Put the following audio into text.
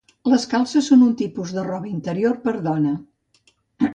Les calces són un tipus de roba interior per a dona.